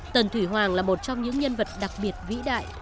tần thủy hoàng là một trong những nhân vật đặc biệt vĩ đại